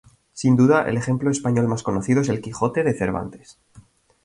Sin duda el ejemplo español más conocido es "El Quijote" de Cervantes.